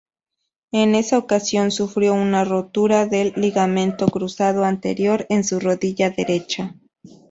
En esa ocasión sufrió una rotura del ligamento cruzado anterior en su rodilla derecha.